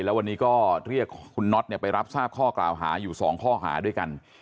แล้ววันนี้ก็เรียกคุณน็อตไปรับทราบข้อกล่าวหาอยู่๒ข้อหาด้วยกัน